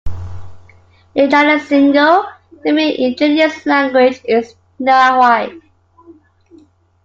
In Jalacingo the main indigenous language is Nahuatl.